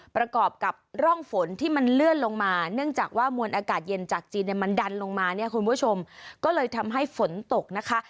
ประกอบกับร่องฝนที่มันเลื่อนลงมาเนื่องจากว่ามวลอากาศเย็นจากจีนเนี่ยมันดันลงมาเนี่ยคุณผู้ชมก็เลยทำให้ฝนตกนะคะ